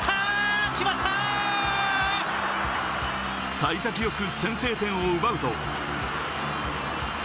幸先良く先制点を奪うと。